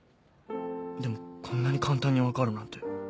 でもこんなに簡単に分かるなんて。